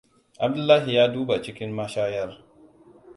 Abdullahi ya duba cikin mashayar.